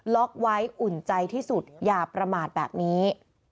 ล็อกไว้อุ่นใจที่สุดอย่าประมาทแบบนี้